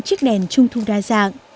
chiếc đèn trung thu đa dạng